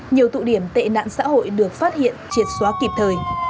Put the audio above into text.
nhiều tụ điểm tệ nạn xã hội được phát hiện triệt xóa kịp thời